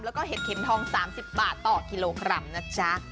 แล้วก็เห็ดเข็มทอง๓๐บาทต่อกิโลกรัมนะจ๊ะ